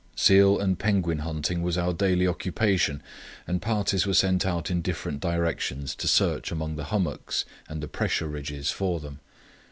Seal and penguin hunting was our daily occupation, and parties were sent out in different directions to search among the hummocks and the pressure ridges for them.